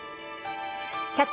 「キャッチ！